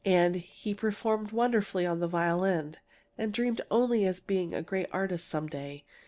And he performed wonderfully on the violin, and dreamed only of being a great artist some day.